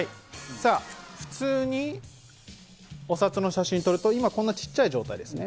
さあ、普通にお札の写真撮ると、今、こんなちっちゃい状態ですね。